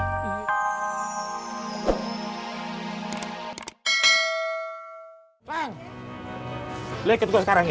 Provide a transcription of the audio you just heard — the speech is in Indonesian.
udah digaruhi rasanya